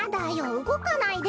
うごかないで。